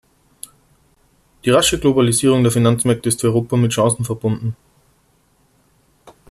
Die rasche Globalisierung der Finanzmärkte ist für Europa mit Chancen verbunden.